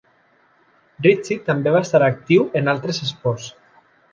Ritchie també va estar actiu en altres esports.